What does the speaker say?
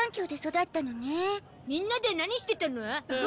みんなで何してたの？